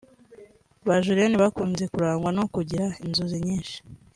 Ba Julienne bakunze kurangwa no kugira inzozi nyinshi